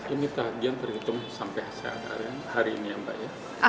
ini tagian terhitung sampe sehat hari ini ya mbak ya